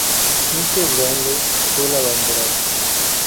Mike Brownlee fue el abanderado.